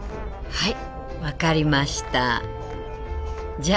はい。